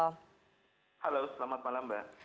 halo selamat malam mbak